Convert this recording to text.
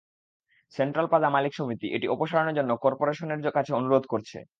Central plaza মালিক সমিতি এটি অপসারণের জন্য করপোরেশনের কাছে অনুরোধ করছে।